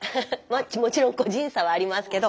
もちろん個人差はありますけど。